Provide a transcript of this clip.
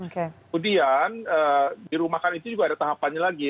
kemudian dirumahkan itu juga ada tahapannya lagi